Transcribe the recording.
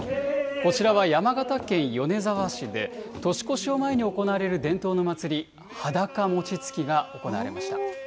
こちらは山形県米沢市で、年越しを前に行われる伝統の祭り、裸もちつきが行われました。